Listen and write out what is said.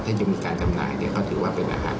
ถ้าจะมีการจำหน่ายเนี่ยก็ถือว่าเป็นอาหาร